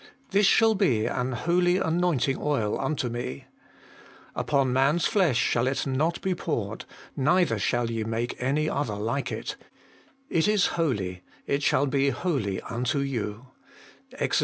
' This shall be an holy anointing oil unto me. Upon man's flesh shall it not be poured ; neither shall ye make any other like it ; it is holy, it shall be holy unto you ' (Exod.